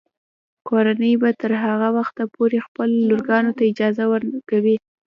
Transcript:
کورنۍ به تر هغه وخته پورې خپلو لورګانو ته اجازه ورکوي.